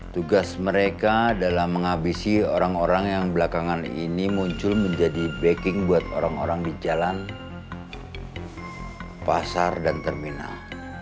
tugas mereka dalam menghabisi orang orang yang belakangan ini muncul menjadi backing buat orang orang di jalan pasar dan terminal